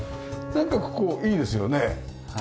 なんかここいいですよね。